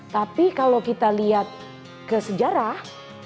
tapi kalau kita lihat ke sejarah